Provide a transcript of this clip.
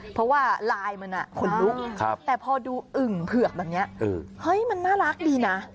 เพราะว่าลายมันขนลุกแต่พอดูอึ่งเผือกแบบนี้เฮ้ยมันน่ารักดีนะ